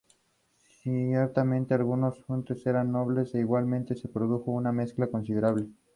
Ciertamente, algunos hutus eran nobles e igualmente se produjo una mezcla considerable.